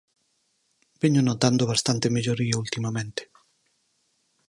Veño notando bastante melloría ultimamente.